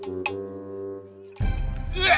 tidak tidak tidak